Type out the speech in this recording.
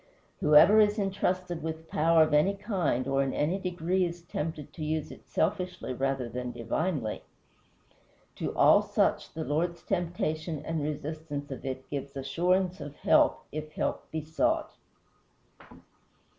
Whoever is intrusted with power of any kind or in any degree is tempted to use it selfishly rather than divinely. To all such the Lord's temptation and resistance of it gives assurance of help if help be sought.